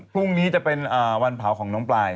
พรุ่งนี้จะเป็นวันเผาของน้องปลาย